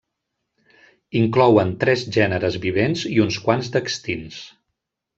Inclouen tres gèneres vivents i uns quants d'extints.